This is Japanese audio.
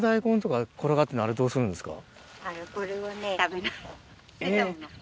転がってるのあれどうするんですか？